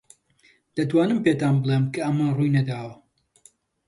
دەتوانم پێتان بڵێم کە ئەمە ڕووی نەداوە.